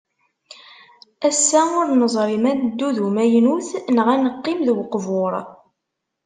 Ass-a ur neẓri ma ad neddu d umaynut neɣ ad neqqim d uqbur.